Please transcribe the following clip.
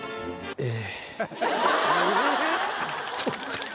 ええ！